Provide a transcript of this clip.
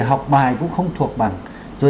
học bài cũng không thuộc bằng